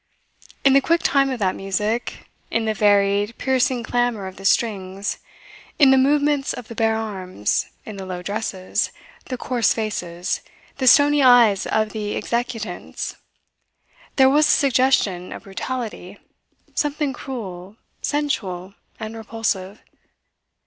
In the quick time of that music, in the varied, piercing clamour of the strings, in the movements of the bare arms, in the low dresses, the coarse faces, the stony eyes of the executants, there was a suggestion of brutality something cruel, sensual and repulsive.